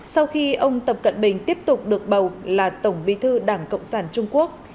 sau khi ông tập cận bình tiếp tục được bầu là tổng bí thư đảng cộng sản trung quốc